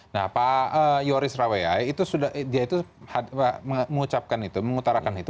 nah pak yoris sarawaya dia itu mengucapkan itu mengutarakan itu